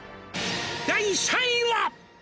「第３位は」